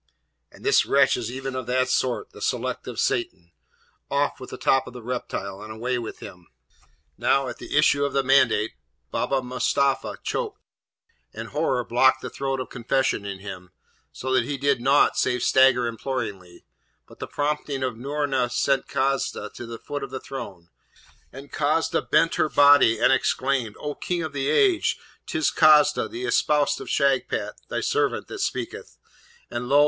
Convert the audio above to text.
And this wretch is even of that sort, the select of Satan! Off with the top of the reptile, and away with him!' Now, at the issue of the mandate Baba Mustapha choked, and horror blocked the throat of confession in him, so that he did nought save stagger imploringly; but the prompting of Noorna sent Kadza to the foot of the throne, and Kadza bent her body and exclaimed, 'O King of the age! 'tis Kadza, the espoused of Shagpat thy servant, that speaketh; and lo!